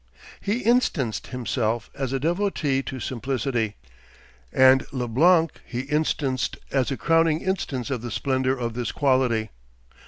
He instanced himself as a devotee to simplicity. And Leblanc he instanced as a crowning instance of the splendour of this quality.